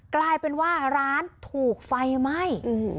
กลายเป็นว่าร้านถูกไฟไหม้